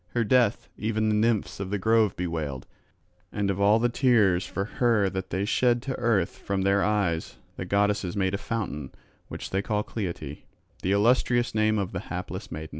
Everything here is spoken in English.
Her death even the nymphs of the grove bewailed; and of all the tears for her that they shed to earth from their eyes the goddesses made a fountain, which they call Cleite, the illustrious name of the hapless maid.